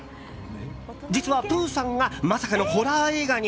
実は、プーさんがまさかのホラー映画に！